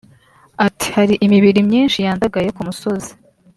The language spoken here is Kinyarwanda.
Ati "Hari imibiri myinshi yandagaye ku musozi